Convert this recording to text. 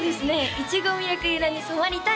「いちごみるく色に染まりたい。」